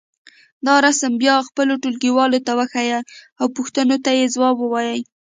دا رسم بیا خپلو ټولګيوالو ته وښیئ او پوښتنو ته یې ځواب ووایئ.